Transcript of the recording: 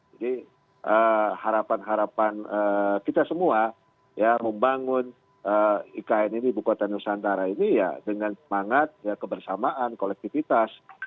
jadi harapan harapan kita semua ya membangun ikn ini ibu kota nusantara ini ya dengan semangat kebersamaan kolektivitas